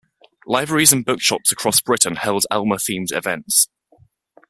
Libraries and bookshops across Britain held Elmer themed events.